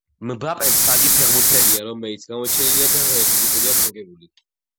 მბაპე ფრანგი ფეღბურთელია რომეიც გამოჩენილია და არაერთი ტიტული აქვს მოგებული